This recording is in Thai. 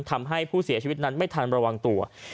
ทำให้ผู้เสียชีวิตนั้นไม่ทันระวังตัว